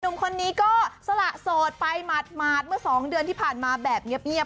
หนุ่มคนนี้ก็สละโสดไปหมาดเมื่อ๒เดือนที่ผ่านมาแบบเงียบ